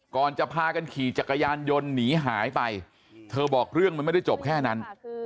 ก่อนจะพากันขี่จักรยานยนต์หนีหายไปเธอบอกเรื่องมันไม่ได้จบแค่นั้น